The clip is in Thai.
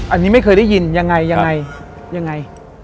อันนี้ไม่เคยได้ยินยังไง